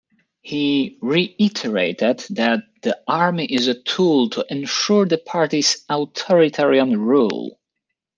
He reiterated that the army is a tool to ensure the party's authoritarian rule.